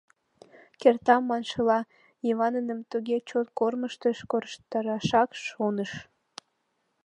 Кертам маншыла, Йываныным туге чот кормыжтыш — корштарашак шоныш.